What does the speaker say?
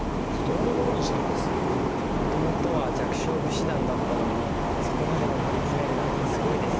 何かもともとは弱小武士団だったのにそこまで上り詰めるなんてすごいですね。